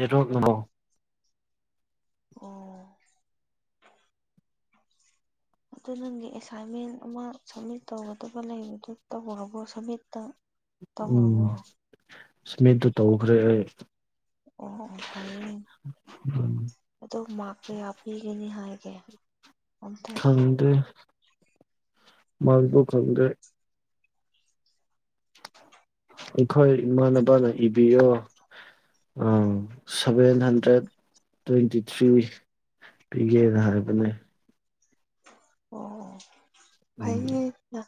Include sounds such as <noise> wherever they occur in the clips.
ꯑꯦꯇꯣꯛ ꯅꯥꯔꯣ <unintelligible> ꯑꯣ ꯑꯗꯨ ꯅꯪꯒꯤ ꯑꯦꯁꯥꯏꯃꯦꯟ ꯑꯃ ꯁꯃꯤꯠ ꯇꯧꯒꯗꯕꯑꯃ ꯂꯩꯕꯗꯨ ꯇꯧꯒꯔꯕꯣ ꯁꯃꯤꯠꯇꯪ ꯎꯝ ꯁꯃꯤꯠꯇꯨ ꯇꯧꯈ꯭ꯔꯦ ꯑꯩ ꯑꯣ ꯑꯣ ꯐꯥꯏꯌꯦ ꯎꯝ ꯑꯗꯣ ꯃꯛ ꯀꯌꯥ ꯄꯤꯒꯅꯤ ꯍꯥꯏꯒꯦ ꯑꯝꯇ ꯈꯪꯗꯦ ꯃꯛꯇꯣ ꯈꯪꯗꯦ ꯑꯩꯈꯣꯏ ꯏꯃꯥꯟꯅꯕꯅ ꯏꯕꯤꯌꯣ ꯑ ꯁꯚꯦꯟ ꯍꯟꯗ꯭ꯔꯦꯠ ꯇꯨꯋꯦꯟꯇꯤ ꯊ꯭ꯔꯤ ꯄꯤꯒꯦꯅ ꯍꯥꯏꯕꯅꯦ ꯑꯣ ꯎꯝ ꯐꯩꯌꯦꯅꯥ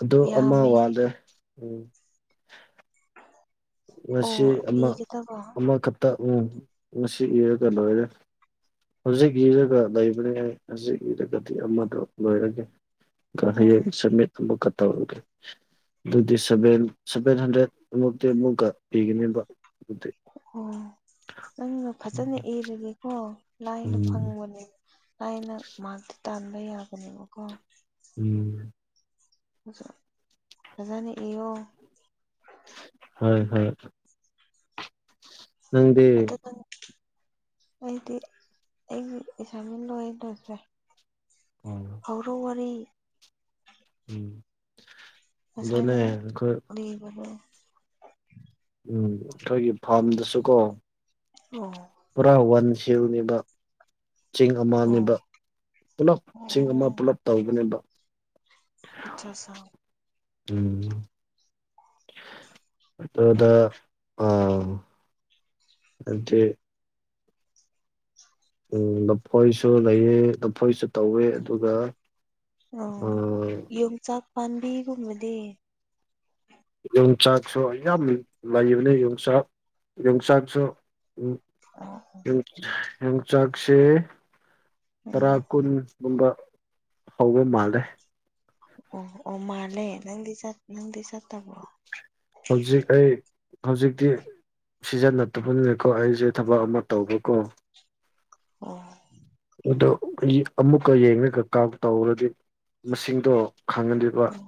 ꯑꯗꯣ ꯑꯃ ꯋꯥꯠꯂꯦ ꯎꯝ ꯑꯣ ꯉꯁꯤ ꯑꯃ ꯏꯒꯗꯕ ꯑꯃꯈꯛꯇ ꯎꯝ ꯉꯁꯤ ꯏꯔꯒ ꯂꯣꯏꯔꯦ ꯍꯧꯖꯤꯛ ꯏꯔꯒ ꯂꯩꯕꯅꯦ ꯑꯩ ꯍꯧꯖꯤꯛ ꯏꯔꯒꯗꯤ ꯑꯃꯗꯣ ꯂꯣꯏꯔꯒꯦ ꯒꯥ ꯑꯣ ꯍꯌꯦ ꯁꯃꯤꯠ ꯑꯃꯛꯀ ꯇꯧꯔꯒꯦ ꯑꯗꯨꯗꯤ ꯁꯚꯦꯟ ꯁꯚꯦꯟ ꯍꯟꯗ꯭ꯔꯦꯠ ꯑꯃꯨꯛꯇꯤ ꯑꯃꯨꯛ ꯀꯥ ꯄꯒꯅꯤꯕ ꯗꯤ ꯑꯣ ꯅꯪꯅ ꯐꯖꯅ ꯏꯔꯒꯦꯀꯣ ꯂꯥꯏꯅ ꯎꯝ ꯐꯪꯕꯅꯦ ꯂꯥꯏꯅ ꯃꯥꯛꯇꯤ ꯇꯥꯟꯕ ꯌꯥꯒꯅꯦꯕꯀꯣ ꯎꯝ ꯑꯣ ꯐꯖꯥꯅ ꯏꯌꯣ ꯍꯣꯏ ꯍꯣꯏ ꯅꯪꯗꯤ ꯑꯗꯨ ꯅꯪ ꯑꯩꯗꯤ ꯑꯩꯒꯤ ꯑꯦꯁꯥꯏꯟꯃꯦꯟꯠ ꯂꯣꯏ ꯂꯣꯏꯈ꯭ꯔꯦ ꯎꯝ ꯍꯧꯔꯣ ꯋꯥꯔꯤ ꯎꯝ ꯉꯁꯥꯏ ꯑꯗꯨꯅꯦ ꯅꯪ ꯑꯩꯈꯣꯏ <unintelligible> ꯎꯝ ꯑꯩꯈꯣꯏꯒꯤ ꯐꯥꯔꯝꯗꯁꯨ ꯀꯣ ꯑꯣꯝ ꯄꯨꯔꯥ ꯋꯥꯟ ꯁꯤꯕꯅꯤꯕ ꯆꯤꯡ ꯑꯣ ꯑꯃꯅꯦꯕ ꯄꯨꯂꯞ ꯆꯤꯡ ꯑꯃ ꯑꯣ ꯄꯨꯂꯞ ꯇꯧꯕꯅꯦꯕ ꯑꯆꯥ ꯑꯆꯥ ꯎꯝ ꯑꯗꯨꯗ ꯑ ꯑꯗꯤ <unintelligible> ꯎꯝ ꯂꯐꯣꯏꯁꯨ ꯂꯩꯑꯦ ꯂꯐꯣꯏꯁꯨ ꯇꯧꯋꯦ ꯑꯗꯨꯒ ꯑꯣ ꯑꯥ ꯌꯣꯡꯆꯥꯛ ꯄꯥꯝꯕꯤꯒꯨꯝꯕꯗꯤ ꯌꯣꯡ ꯆꯥꯥꯛꯁꯨ ꯌꯥꯝ ꯂꯩꯕꯅꯦ ꯌꯣꯡꯆꯥꯛꯂ ꯆꯥꯥꯛꯁꯨ ꯎꯝ ꯑꯣ ꯌꯣꯡꯆꯥꯛꯁꯦ ꯇꯔꯥ ꯎꯝ ꯀꯨꯟ ꯨꯒꯨꯝꯕ ꯍꯧꯕ ꯃꯥꯜꯂꯦ ꯑꯣ ꯑꯣ ꯃꯥꯂꯦ ꯅꯪꯗꯤ ꯆꯠ ꯅꯪꯗꯤ ꯆꯠꯇꯕ꯭ꯔꯣ ꯍꯧꯖꯤꯛ ꯑꯩ ꯍꯧꯖꯤꯛꯇꯤ ꯁꯤꯖꯟ ꯅꯠꯇꯕꯅꯤꯅꯦꯀꯣ ꯑꯩꯁꯦ ꯊꯕꯛ ꯑꯃ ꯇꯧꯕꯀꯣ ꯑꯣ ꯑꯗꯣ ꯍꯧꯖꯤꯛ ꯑꯃꯨꯛꯀ ꯌꯦꯡꯉꯒ ꯀꯥꯎꯟ ꯇꯧꯔꯗꯤ ꯃꯁꯤꯡꯗꯣ ꯈꯥꯡꯍꯟꯗ ꯑꯣ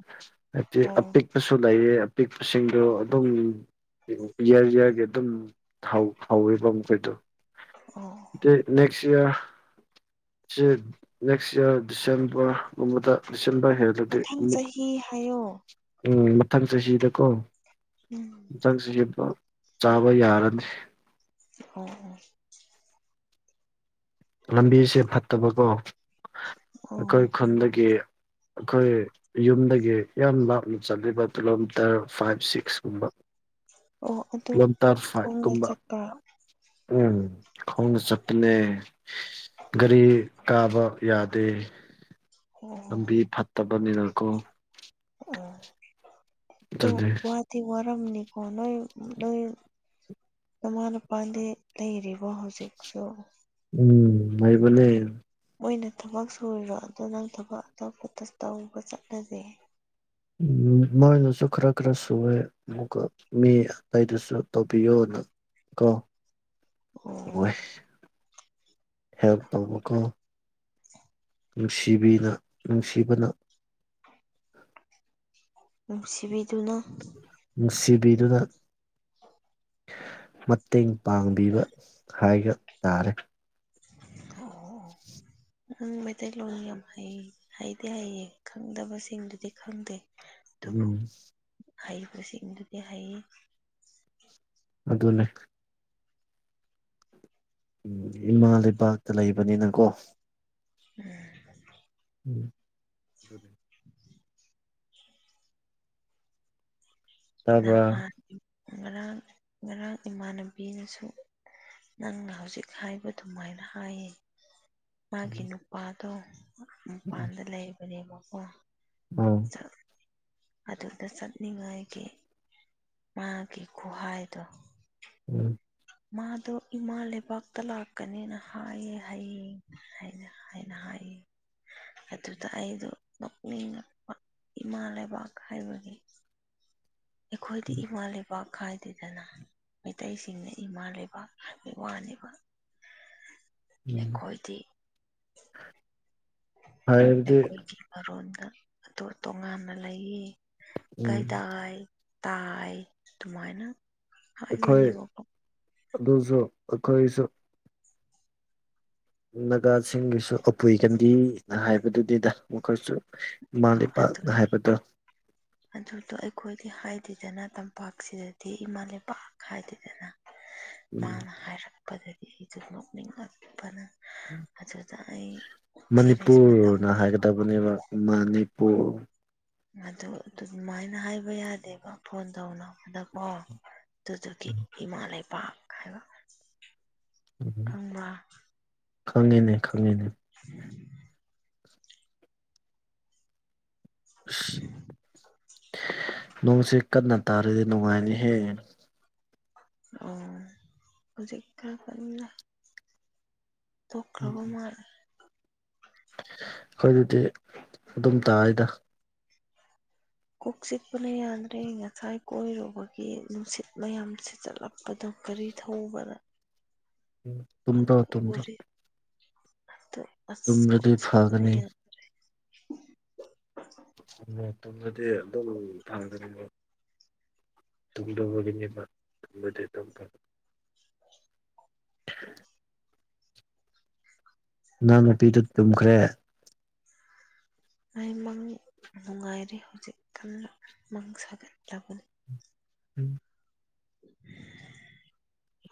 ꯍꯥꯏꯗꯤ ꯑꯣ ꯑꯄꯤꯛꯄꯁꯨ ꯂꯩꯌꯦ ꯑꯄꯤꯛꯄꯁꯤꯡꯗꯨ ꯑꯗꯨꯝ ꯏꯌꯥꯔ ꯌꯥꯌꯥꯔꯒꯤ ꯑꯗꯨꯝ ꯍꯥꯎ ꯍꯧꯋꯦꯕ ꯃꯈꯣꯏꯗꯣ ꯑꯣ ꯅꯦꯛꯁ ꯏꯔ ꯁꯤ ꯅꯦꯛꯁ ꯏꯌꯥꯔ ꯗꯤꯁꯦꯝꯕꯔꯒꯨꯝꯕꯗ ꯗꯤꯁꯦꯝꯕ꯭ꯔ ꯍꯦꯟꯔꯗꯤ ꯃꯊꯪ ꯑꯃꯨꯛ ꯆꯍꯤ ꯍꯥꯏꯌꯣ ꯎꯝ ꯃꯊꯪ ꯆꯍꯤꯗꯀꯣ ꯎꯝ ꯃꯊꯪ ꯆꯍꯤꯗ ꯆꯥꯕ ꯌꯥꯔꯅꯤ ꯑꯣ ꯂꯝꯕꯤꯁꯦ ꯐꯠꯇꯕꯀꯣ ꯑꯣ ꯑꯩꯈꯣꯏ ꯈꯨꯟꯗꯒꯤ ꯑꯩꯈꯣꯏ ꯌꯨꯝꯗꯒꯤ ꯌꯥꯝ ꯂꯥꯞꯅ ꯆꯠꯂꯤꯕ ꯀꯤꯂꯣꯃꯤꯇꯔ ꯐꯥꯏꯚ ꯁꯤꯛꯁ ꯀꯨꯝꯕ ꯑꯣ ꯑꯗꯨ ꯀꯤꯂꯣꯃꯤꯇꯔ ꯐꯥꯏꯕ ꯈꯣꯡꯅ ꯀꯨꯝꯕꯥ ꯆꯠꯄ ꯎꯝ ꯈꯣꯡꯅ ꯆꯠꯄꯅꯦ ꯒꯥꯔꯤ ꯀꯥꯕ ꯌꯥꯗꯦ ꯑꯣ ꯂꯝꯕꯤ ꯐꯠꯇꯕꯅꯤꯅꯀꯣ ꯑꯥ ꯑꯗꯨꯅꯦ ꯗꯤ ꯋꯥꯔꯝꯅꯤꯀꯣ ꯅꯣꯏ ꯅꯣꯏ ꯅꯃꯥ ꯅꯄꯥꯗꯤ ꯂꯩꯔꯤꯕꯣ ꯍꯧꯖꯤꯛꯁꯨ ꯎꯝ ꯂꯩꯕꯅꯦ ꯃꯣꯏꯅ ꯊꯕꯛ ꯁꯨꯔꯤꯔꯣ ꯑꯗꯣ ꯅꯪ ꯊꯕꯛ ꯑꯇꯣꯞꯄ ꯇꯁ ꯇꯧꯕ ꯆꯠꯂꯖꯦ ꯎꯝ ꯃꯣꯏꯅꯁꯨꯨ ꯈꯔꯈꯔ ꯁꯨꯋꯦ ꯑꯃꯨꯛꯀ ꯃꯤ ꯑꯇꯩꯗꯨꯁꯨ ꯇꯧꯕꯤꯌꯣꯅ ꯀꯣ ꯑꯣ ꯇꯧꯋꯦ ꯍꯦꯜꯄ ꯇꯧꯕꯥ ꯀꯣ <inaudible> ꯅꯨꯡꯁꯤꯕꯤꯅ ꯅꯨꯡꯁꯤꯕꯅ ꯅꯨꯡꯁꯤꯕꯤꯗꯨꯅ ꯅꯨꯡꯁꯤꯕꯤꯗꯨꯅ ꯃꯇꯦꯡ ꯄꯥꯡꯕꯤꯕ ꯍꯥꯏꯕ ꯇꯥꯔꯦ ꯍꯣ ꯑꯣ ꯑꯣ ꯅꯪ ꯃꯩꯇꯩꯂꯣꯟ ꯌꯥꯝ ꯍꯩ ꯍꯩꯗꯤ ꯍꯩꯌꯦ ꯈꯪꯗꯕꯁꯤꯡꯗꯨꯗꯤ ꯈꯪꯗꯦ ꯑꯗꯨꯕꯨ ꯎꯝ ꯍꯩꯕꯁꯤꯡꯗꯨꯗꯤ ꯍꯩꯌꯦ ꯑꯗꯨꯅꯦ ꯎꯝ ꯏꯃꯥ ꯂꯩꯕꯥꯛꯇ ꯂꯩꯕꯅꯤꯅꯀꯣ ꯎꯝ ꯎꯝ ꯑꯗꯨꯒꯤ__ ꯎ <inaudible> ꯇꯥꯕ꯭ꯔꯥ ꯅꯍꯥꯟ ꯏꯝ ꯉꯔꯥꯡ ꯉꯔꯥꯡ ꯏꯃꯥꯟꯅꯕꯤꯅꯁꯨ ꯅꯪꯅ ꯍꯧꯖꯤꯛ ꯍꯥꯏꯕ ꯑꯗꯨꯃꯥꯏꯅ ꯍꯥꯏꯌꯦ ꯃꯥꯒꯤ ꯅꯨꯄꯥꯗꯣ ꯎꯝ ꯃꯄꯥꯟꯗ ꯂꯩꯕꯅꯦꯕꯀꯣ ꯎꯝ ꯊꯣꯛ ꯑꯗꯨꯗ ꯆꯠꯅꯤꯡꯉꯥꯏꯒꯤ ꯃꯥꯒꯤ ꯈꯨꯍꯥꯏꯗꯣ ꯎꯝ ꯃꯥꯗꯣ ꯏꯃꯥ ꯂꯩꯕꯥꯛꯇ ꯂꯥꯛꯀꯅꯤꯅ ꯍꯥꯏꯌꯦ ꯍꯥꯏꯌꯦ ꯍꯥꯏꯅ ꯍꯥꯏꯅ ꯍꯥꯏꯌꯦ ꯑꯗꯨꯗ ꯑꯩꯗꯣ ꯅꯣꯛꯅꯤꯡꯉꯛꯄ ꯏꯃꯥ ꯂꯩꯕꯥꯛꯀꯥ ꯍꯥꯏꯕꯒꯤ ꯑꯩꯈꯣꯏꯗꯤ ꯏꯃꯥ ꯂꯩꯕꯥꯛ ꯈꯥꯏ__ ꯗꯦꯗꯅ ꯃꯩꯇꯩꯁꯤꯡꯅ ꯏꯃꯥ ꯂꯩꯕꯥꯛ ꯍꯥꯏꯕꯩ ꯋꯥꯅꯦꯕ ꯎꯝ ꯑꯩꯈꯣꯏꯗꯤ ꯍꯥꯏꯕꯗꯤ ꯑꯩꯈꯣꯏꯒꯤ ꯃꯔꯣꯟꯗ ꯑꯗꯨ ꯇꯣꯉꯥꯟꯅ ꯂꯩꯌꯦ ꯀꯥꯏ ꯎꯝ ꯇꯥꯏ ꯇꯥꯏ ꯑꯗꯨꯃꯥꯏꯅ ꯍꯥꯏꯕꯅꯦꯕꯀꯣ ꯑꯗꯨꯖꯨ ꯑꯩꯈꯣꯏꯁꯨ ꯅꯒꯥꯁꯤꯡꯒꯤꯁꯨ ꯑꯄꯨꯏꯒꯟꯗꯤꯅꯤꯅ ꯍꯥꯏꯕꯗꯨꯗꯤꯗ ꯃꯈꯣꯏꯁꯨ ꯏꯃꯥ ꯑꯣ ꯂꯩꯕꯥꯛꯅ ꯑꯗꯨꯅꯤ ꯍꯥꯏꯕꯗꯣ ꯑꯗꯨꯗꯣ ꯑꯩꯈꯣꯏꯗꯤ ꯍꯥꯏꯗꯦꯗꯅ ꯇꯝꯄꯥꯛꯁꯤꯗꯗꯤ ꯏꯃꯥ ꯂꯩꯄꯥꯛ ꯍꯥꯏꯗꯦꯗꯅ <inaudible> ꯃꯥꯅ ꯍꯥꯏꯔꯛꯄꯗꯗꯤ ꯑꯩꯖꯨ ꯅꯣꯛꯅꯤꯡꯉꯛꯄꯅ ꯑꯗꯨꯗ ꯑꯩ ꯁꯦꯔꯤꯁ ꯃꯇꯝ ꯅꯦꯕꯥ ꯗꯨꯅꯦꯕ ꯃꯅꯤꯄꯨꯔ ꯑꯗꯨ ꯑꯗꯨꯃꯥꯏꯅ ꯍꯥꯏꯕ ꯌꯥꯗꯦꯕ ꯐꯣꯟ ꯇꯧꯅꯕꯗꯀꯣ ꯗꯨꯗꯨꯒꯤ ꯏꯃꯥ ꯂꯩꯕꯥꯛ ꯍꯥꯏꯕ ꯎꯝ ꯈꯪꯕ꯭ꯔꯥ ꯈꯪꯉꯤꯅꯦ ꯈꯪꯉꯤꯅꯦ ꯎ ꯑꯁ <inaudible> ꯅꯣꯡꯁꯦ ꯀꯟꯅ ꯇꯥꯔꯗꯤ ꯅꯨꯡꯉꯥꯏꯅꯤꯍꯦ ꯑꯣ ꯍꯧꯖꯤꯛ ꯈꯔ ꯀꯟꯅ ꯇꯣꯛꯈ꯭ꯔꯕ ꯃꯥꯜꯂꯦ ꯈꯣꯏꯗꯗꯤ ꯑꯗꯨꯝ ꯇꯥꯏꯗ ꯀꯣꯛ ꯆꯤꯛꯄꯅ ꯌꯥꯗ꯭ꯔꯦ ꯉꯁꯥꯏ ꯀꯣꯏꯔꯨꯕꯒꯤ ꯅꯨꯡꯁꯤꯠ ꯃꯌꯥꯝ ꯁꯤꯆꯠꯂꯕ ꯄꯗꯨ ꯒꯔꯤ ꯊꯧꯕꯗ ꯇꯨꯝꯗꯔꯣ ꯑꯗꯨ ꯇꯨꯝꯗꯔꯣ ꯒꯥꯔꯤ ꯑꯁ ꯀꯣꯀ ꯇꯨꯝꯔꯗꯤ ꯆꯤꯛꯄꯅ ꯐꯒꯅꯤ ꯌꯥꯗꯔꯦ ꯑꯗꯨꯗ ꯇꯨꯝꯂꯗꯤ ꯑꯗꯨꯝ ꯐꯪꯒꯅꯤ ꯇꯨꯝꯗꯕꯒꯤꯅꯦꯕ ꯇꯨꯝꯂꯗꯤ ꯑꯗꯨꯝ <unintelligible> ꯅꯪ ꯅꯨꯄꯤꯗꯨ ꯇꯨꯝꯈ꯭ꯔꯦ ꯑꯩꯃꯪ ꯅꯨꯡꯉꯥꯏꯔꯤ ꯍꯧꯖꯤꯛ ꯀꯥꯟꯅ ꯃꯪ ꯁꯥꯒꯠꯂꯕꯅꯤ <unintelligible> <unintelligible>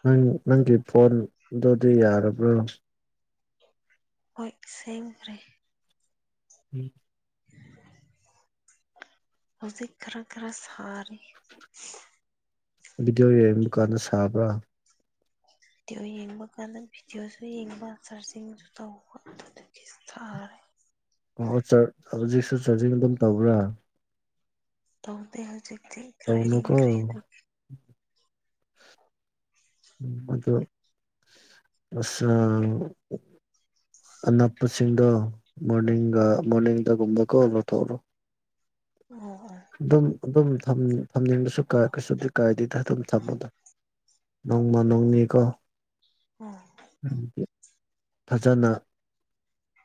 ꯅꯪ ꯅꯪꯒꯤ ꯐꯣꯟꯗꯨꯗꯤ ꯌꯥꯔꯕ꯭ꯔꯣ ꯍꯣꯏ ꯁꯦꯝꯈꯔꯦ <unintelligible> ꯍꯧꯖꯤꯛ ꯈꯔ ꯈꯔ ꯁꯔꯤ ꯚꯤꯗꯤꯑꯣ ꯌꯦꯡꯕ ꯀꯥꯟꯗ ꯁꯥꯕ꯭ꯔꯥ <unintelligible> ꯚꯤꯗꯤꯑꯣ ꯌꯦꯡꯕ ꯀꯥꯟꯗ ꯚꯤꯗꯤꯑꯣꯁꯨ ꯌꯦꯡꯕ ꯁꯥꯔꯆꯤꯡꯁꯨ ꯇꯧꯕ ꯑꯗꯨꯗꯒꯤ ꯁꯥꯔꯤ ꯑꯣ ꯑꯣ ꯆꯥ ꯍꯧꯖꯤꯛꯁꯨ ꯆꯥꯔꯖꯤꯡ ꯑꯗꯨꯝ ꯇꯧꯕ꯭ꯔꯥ ꯇꯧꯗꯤ ꯍꯧꯖꯤꯛꯗꯤ ꯇꯧꯅꯨ ꯀꯣ <unintelligible> ꯑꯗꯣ <unintelligible> ꯑꯅꯛꯄꯁꯤꯡꯗꯣ ꯃꯣꯔꯅꯤꯡꯒ ꯃꯣꯔꯅꯤꯡꯗꯒꯨꯝꯕ ꯀꯣ ꯂꯣꯊꯣꯛꯂꯣ ꯑꯣ ꯑꯣ ꯑꯗꯨꯝ ꯑꯗꯨꯝ ꯊꯝꯅꯤꯡꯕꯁꯨ ꯀꯩꯁꯨꯗꯤ ꯀꯥꯏꯗꯗ ꯑꯗꯨꯝ ꯊꯝꯃꯣꯗꯣ ꯅꯣꯡꯃ ꯅꯣꯡꯅꯤꯀꯣ ꯑꯣ ꯐꯖꯅ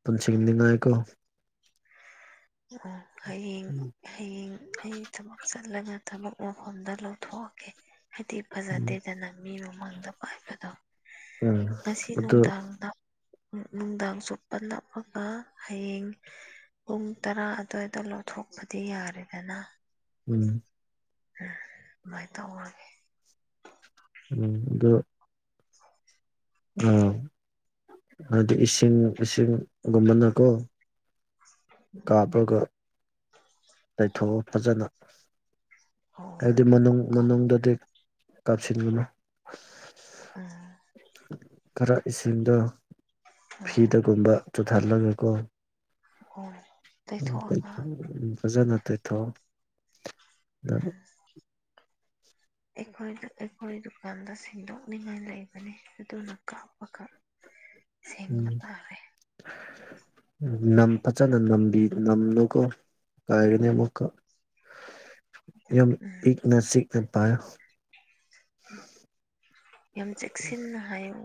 ꯄꯨꯟꯁꯤꯟꯅꯤꯉꯥꯏꯀꯣ ꯑꯣ ꯍꯌꯦꯡ ꯍꯌꯦꯡ ꯑꯩ ꯊꯕꯛ ꯆꯠꯂꯒ ꯊꯕꯛ ꯃꯐꯝꯗ ꯂꯧꯊꯣꯛꯑꯒꯦ ꯍꯥꯏꯗꯤ ꯎꯝ ꯐꯖꯗꯦꯗꯅ ꯃꯤ ꯃꯃꯥꯡꯗ ꯄꯥꯏꯕꯗꯣ ꯎꯝ ꯉꯁꯤ ꯑꯗꯨ ꯅꯨꯡꯗꯥꯡꯗ ꯅꯨꯡꯗꯥꯡ ꯆꯨꯞꯄ ꯅꯞꯑꯒ ꯍꯌꯦꯡ ꯄꯨꯡ ꯇꯔꯥ ꯑꯗꯨꯋꯥꯏꯗ ꯂꯧꯊꯣꯛꯄꯗꯤ ꯌꯥꯔꯦꯗꯅ ꯎꯝ ꯑꯗꯨꯃꯥꯏꯅ ꯇꯧꯔꯥꯅꯤ ꯎꯝ ꯗꯣ <unintelligible> ꯑꯥ ꯍꯥꯏꯗꯤ ꯏꯁꯤꯡ ꯏꯁꯤꯡꯒꯨꯝꯕꯅꯀꯣ <unintelligible> ꯀꯥꯞꯔꯥꯒ ꯂꯩꯊꯣꯛꯑꯣ ꯐꯖꯅ ꯑꯣ ꯍꯥꯏꯗꯤ ꯃꯅꯨꯡ ꯎꯝ ꯃꯅꯨꯡꯗꯗꯤ ꯀꯥꯞꯁꯤꯟꯒꯥꯅꯨ <unintelligible> ꯈꯔ ꯏꯁꯤꯡꯗꯣ ꯑꯣ ꯐꯤꯗꯒꯨꯝꯕ ꯆꯨꯊꯥꯍꯜꯂꯒꯀꯣ ꯍꯣꯏ ꯇꯩꯊꯣꯛꯑꯣ ꯎꯝ ꯐꯖꯅ ꯇꯩꯊꯣꯛ ꯎꯝ ꯑꯩꯈꯣꯏ ꯑꯩꯈꯣꯏ ꯗꯨꯀꯥꯟꯗ ꯁꯦꯡꯗꯣꯛꯅꯤꯡꯉꯥꯏ ꯂꯩꯕꯅꯤ ꯑꯗꯨꯅ ꯀꯥꯎꯕ ꯈꯛ ꯎꯝ ꯅꯝ ꯐꯖꯅ ꯅꯝꯕꯤ ꯅꯝꯂꯨꯀꯣ ꯀꯥꯏꯒꯅꯤ ꯑꯃꯨꯛꯀ ꯌꯥꯝ ꯎꯝ ꯏꯛꯅ ꯆꯤꯛꯅ ꯄꯥꯏꯌꯣ ꯌꯥꯝ ꯆꯦꯛꯁꯤꯟꯅ ꯍꯥꯏꯌꯣ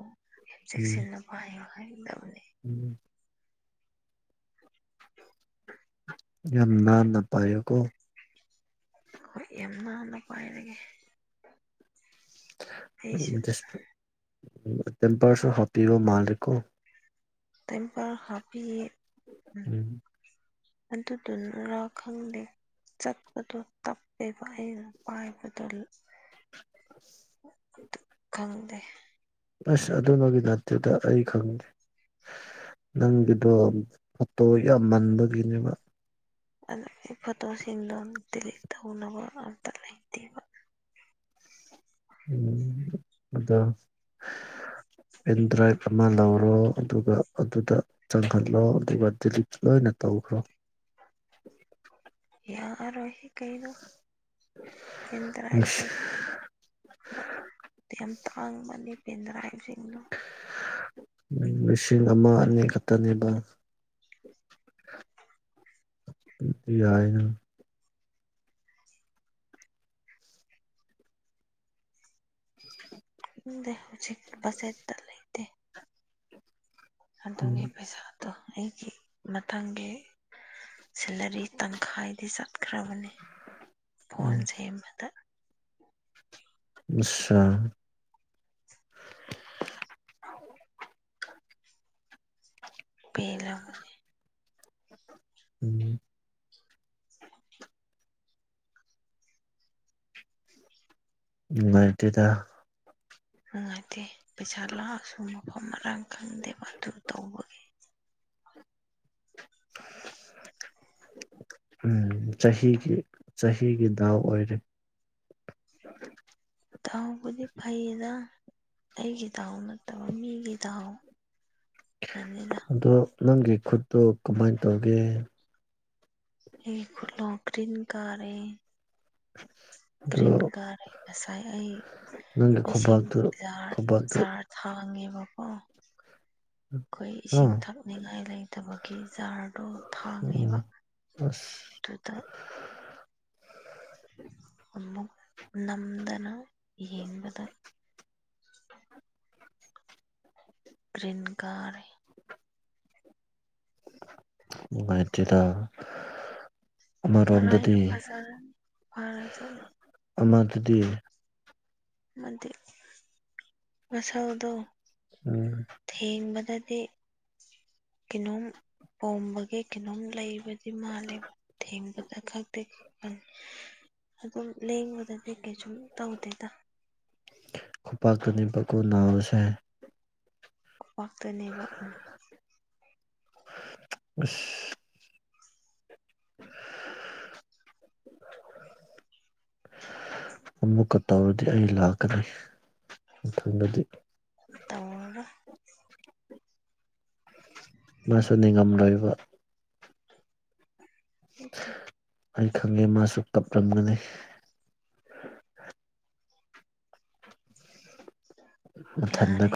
ꯌꯥꯝ ꯎꯝ ꯆꯦꯛꯁꯤꯟꯅ ꯄꯥꯏꯌꯨ ꯍꯥꯏꯒꯗꯕꯅꯦ ꯎꯝ ꯌꯥꯝ ꯅꯥꯟꯅ ꯄꯥꯏꯌꯣꯀꯣ ꯍꯣꯏ ꯌꯥꯝ ꯅꯥꯟꯅ ꯄꯥꯏꯔꯒꯦ ꯑꯩꯁꯨ ꯇꯦꯝꯄꯔꯁꯨ ꯍꯥꯞꯄꯤꯕꯥ ꯃꯥꯂꯤꯀꯣ ꯇꯦꯝꯄꯔ ꯍꯥꯞꯄꯤ ꯎꯝ ꯑꯗꯨꯗꯨꯅꯔ ꯈꯪꯗꯦ ꯆꯠꯄꯗꯨ ꯇꯞꯄꯦ ꯑꯩꯅꯥ ꯄꯥꯏꯄꯥꯗꯜ ꯈꯪꯗꯦ ꯑꯁ ꯑꯗꯨꯅꯕꯨ ꯅꯠꯇꯦꯗꯥ ꯑꯩ ꯈꯪꯗꯦ ꯅꯪꯒꯤꯗꯣ ꯐꯣꯇꯣ ꯌꯥꯝ ꯃꯟꯕꯒꯤꯅꯦꯕꯥ ꯑꯗꯨꯒꯤ ꯐꯣꯇꯣꯁꯤꯡꯗꯣ ꯗꯤꯂꯤꯠ ꯇꯧꯅꯕ ꯑꯝꯇ ꯂꯩꯇꯦꯕ ꯎꯝ ꯑꯗꯣ ꯄꯦꯟ ꯗ꯭ꯔꯥꯏꯚ ꯑꯃ ꯂꯧꯔꯣ ꯑꯗꯨꯒ ꯑꯗꯨꯗ ꯆꯪꯍꯜꯂꯣ ꯑꯗꯨꯒ ꯗꯤꯂꯤꯠ ꯂꯣꯏꯅꯥ ꯇꯧꯈ꯭ꯔꯣ ꯌꯥꯔꯥꯔꯣꯏꯍꯤ ꯀꯩꯩꯅꯣ <unintelligible> ꯌꯥꯝ ꯇꯥꯡꯕꯅꯤ ꯄꯦꯟꯗ꯭ꯔꯥ ꯍꯥꯏꯁꯦ ꯂꯤꯁꯤꯡ ꯑꯃ ꯑꯅꯤ ꯈꯛꯇꯅꯦꯕ ꯌꯥꯏꯅꯥ ꯈꯪꯗꯦ ꯍꯧꯖꯤꯛ ꯕꯖꯦꯠꯇ ꯂꯩꯇꯦ ꯑꯗꯨꯒꯤ ꯎꯝ ꯄꯩꯁꯥ ꯇꯣ ꯑꯩꯒꯤ ꯃꯊꯪꯒꯤ ꯁꯦꯂꯔꯤ ꯇꯪꯈꯥꯏꯗꯤ ꯆꯠꯈ꯭ꯔꯕꯅꯦ ꯐꯣꯟ ꯎꯝ ꯁꯦꯝꯕꯗ ꯑꯠꯁꯥ ꯄꯦꯜꯂꯥꯕꯥ ꯎꯝ <inaudible> ꯅꯨꯡꯉꯥꯏꯇꯦꯗꯥ ꯅꯨꯡꯉꯥꯏꯇꯦ ꯄꯩꯁꯥ ꯂꯥꯛꯑꯁꯨ ꯃꯐꯝ ꯃꯔꯥꯡ ꯈꯪꯗꯦꯕ ꯑꯗꯨ ꯇꯧꯕꯒꯤ <unintelligible> ꯎꯝ ꯆꯍꯤꯒꯤ ꯆꯍꯤꯒꯤ ꯗꯥꯎ ꯑꯣꯏꯔꯦ ꯗꯥꯎꯕꯨꯗꯤ ꯐꯩꯌꯦꯗ ꯑꯩꯒꯤ ꯗꯥꯎ ꯅꯠꯇꯕ ꯃꯤꯒꯤ ꯗꯥꯎ ꯑꯗꯣ ꯅꯪꯒꯤ ꯈꯨꯠꯇꯨ ꯀꯃꯥꯏꯅ ꯇꯧꯒꯦ ꯑꯩ ꯈꯨꯠ ꯒꯔꯤꯟ ꯀꯥꯔꯦ <unintelligible> ꯒꯔꯤꯟ ꯀꯥꯔꯦ ꯉꯁꯥꯏ ꯑꯩ ꯅꯪꯒꯤ ꯏꯁꯤꯡ ꯈꯨꯕꯥꯛꯇꯨ ꯖꯥꯔ ꯈꯨꯕꯥꯛꯇꯨ ꯖꯥꯔ ꯊꯥꯡꯉꯦꯕꯀꯣ ꯑꯩꯈꯣꯏ ꯑ ꯏꯁꯤꯡ ꯊꯛ ꯊꯛꯅꯤꯡꯉꯥꯏ ꯂꯩꯇꯕꯒꯤ ꯖꯥꯔꯗꯣ ꯑꯣ ꯊꯥꯡꯉꯦꯕ ꯑꯁ ꯑꯗꯨꯗ ꯑꯃꯨꯛ ꯅꯝꯗꯅ ꯌꯦꯡꯕꯗ ꯒꯔꯤꯟ ꯀꯥꯔꯦ ꯅꯨꯡꯉꯥꯏꯇꯦꯗ ꯃꯔꯥꯏꯅ ꯑꯃꯔꯣꯝꯗꯗꯤ ꯐꯖꯔꯅꯤ ꯐꯖꯅꯤ ꯑꯃꯗꯨꯗꯤ ꯑꯃꯗꯤ ꯃꯁꯟꯗꯣ ꯎꯝ ꯊꯦꯡꯕꯗꯗꯤ ꯀꯩꯅꯣꯝ ꯄꯣꯝꯕꯒꯤ ꯀꯩꯅꯣꯝ ꯂꯩꯕꯗꯤ ꯃꯥꯜꯂꯦꯕ ꯊꯦꯡꯕꯗ ꯈꯛꯇ <inaudible> ꯑꯗꯨꯝ ꯂꯦꯡꯕꯗꯗꯤ ꯀꯩꯁꯨꯝ ꯇꯧꯗꯦꯗ ꯈꯨꯄꯥꯛꯇꯅꯤꯕꯀꯣ ꯅꯥꯕꯁꯦ ꯈꯨꯠꯄꯥꯛꯇꯅꯦꯕ ꯑꯁ ꯑꯃꯨꯛꯀ ꯇꯧꯔꯗꯤ ꯑꯩ ꯂꯥꯛꯀꯅꯤ ꯃꯊꯪꯗꯗꯤ ꯇꯧꯔꯔꯣꯏ ꯅꯪꯁꯨ ꯅꯤꯉꯝꯂꯣꯏꯕ ꯅꯠꯇꯦ ꯑꯩ ꯈꯪꯉꯦ ꯃꯥꯁꯨ ꯀꯞꯂꯝꯒꯅꯤ ꯃꯊꯟꯇ ꯌꯥꯔꯦ